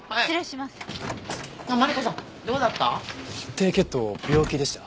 低血糖病気でした？